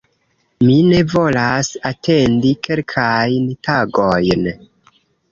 Mi ne volas atendi kelkajn tagojn"